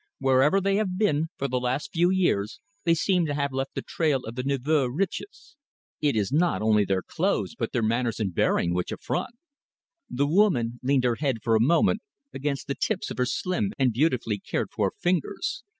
Wherever they have been, for the last few years, they seem to have left the trail of the nouveaux riches. It is not only their clothes but their manners and bearing which affront." The woman leaned her head for a moment against the tips of her slim and beautifully cared for fingers.